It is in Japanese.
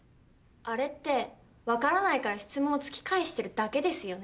あれって分からないから質問を突き返してるだけですよね？